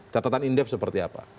catatan indef seperti apa